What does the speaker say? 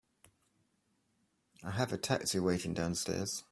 I have a taxi waiting downstairs.